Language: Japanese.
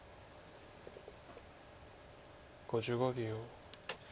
５５秒。